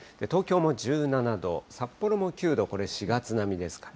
東京も１７度、札幌も９度、これ、４月並みです。